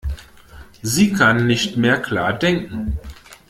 Sie kann nicht mehr klar denken.